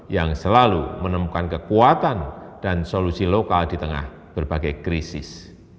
yang selalu menemukan kekuatan dan solusi lokal di tengah berbagai krisis